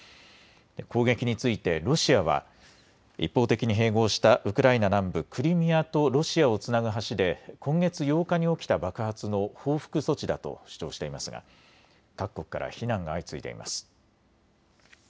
攻撃についてロシアは一方的に併合したウクライナ南部クリミアとロシアをつなぐ橋で今月８日に起きた爆発の報復措置だと主張していますが各国から非難が相次いでいます。